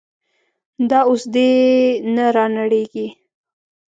دا اوس دې نه رانړېږي.